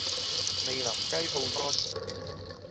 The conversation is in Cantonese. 味淋雞泡魚干